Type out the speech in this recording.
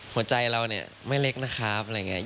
หัวใจเราเนี่ยไม่เล็กนะครับอะไรอย่างนี้